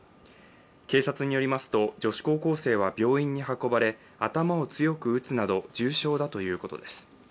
警察によりますと、女子高校生は病院に運ばれ頭を強く打つなど重傷だということです。